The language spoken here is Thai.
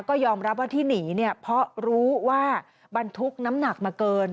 ก็ยอมรับว่าที่หนีเนี่ยเพราะรู้ว่าบรรทุกน้ำหนักมาเกิน